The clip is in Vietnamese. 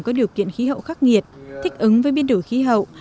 có điều kiện khí hậu khắc nghiệt thích ứng với biến đổi khí hậu